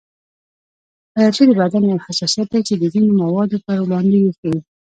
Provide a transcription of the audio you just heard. الرژي د بدن یو حساسیت دی چې د ځینو موادو پر وړاندې یې ښیي